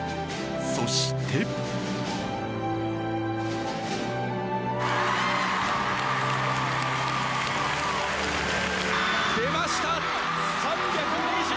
そして。出ました！